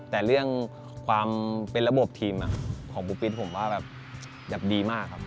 แต่เรื่องความเป็นระบบทีมของปุ๊บปิดผมว่าดีมากครับ